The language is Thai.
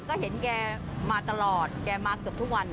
ก็เห็นแกมาตลอดแกมาเกือบทุกวัน